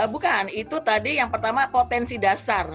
bukan itu tadi yang pertama potensi dasar